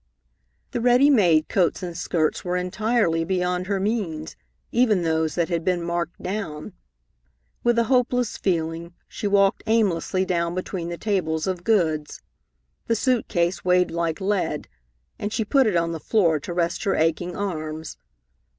The ready made coats and skirts were entirely beyond her means, even those that had been marked down. With a hopeless feeling, she walked aimlessly down between the tables of goods. The suit case weighed like lead, and she put it on the floor to rest her aching arms.